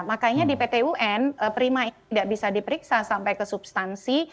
makanya di pt un prima ini tidak bisa diperiksa sampai ke substansi